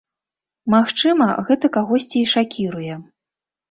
Магчыма, гэта кагосьці і шакіруе.